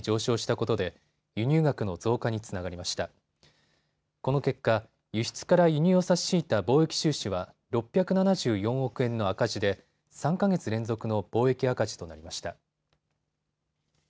この結果、輸出から輸入を差し引いた貿易収支は６７４億円の赤字で、３か月連続の貿易赤字となりました。